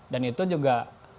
dan itu juga